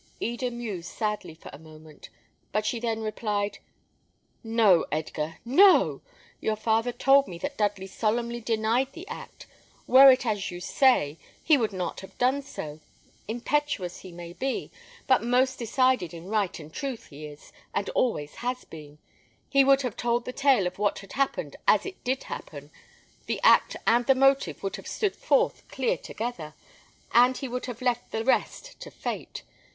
Eda mused sadly for a moment; but she then replied, "No, Edgar, no! Your father told me that Dudley solemnly denied the act. Were it as you say, he would not have done so. Impetuous he may be; but most decided in right and truth he is, and always has been. He would have told the tale of what had happened as it did happen; the act and the motive would have stood forth clear together, and he would have left the rest to fate.